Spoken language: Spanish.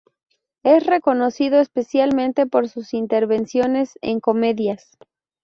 Es reconocido especialmente por sus intervenciones en comedias.